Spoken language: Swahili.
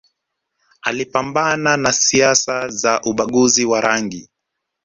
Alipambana na siasa za ubaguzi wa rangi